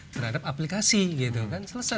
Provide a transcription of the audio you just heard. terhadap aplikasi selesai